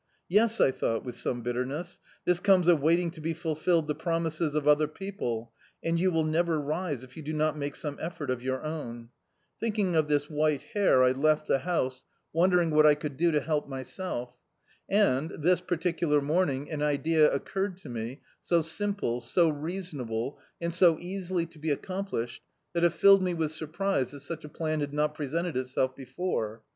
Yes, I thought, with some bitterness, this comes of waiting to be fulfilled the promises of other people; and you will never rise if you do not make some effort of your own. Thinking of this white hair, I left the house, won D,i.,.db, Google False Hopes dering what I could do to help myself. And, this particular morning, an idea occurred to me, so sim ple, so reasonable, and so easily to be accomplished, that it iilled me with surprise that such a plan had not presented itself before.